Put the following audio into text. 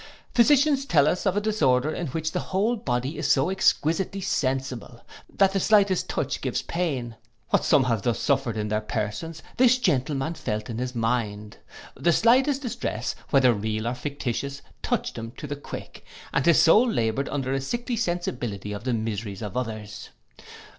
Physicians tell us of a disorder in which the whole body is so exquisitely sensible, that the slightest touch gives pain: what some have thus suffered in their persons, this gentleman felt in his mind. The slightest distress, whether real or fictitious, touched him to the quick, and his soul laboured under a sickly sensibility of the miseries of others.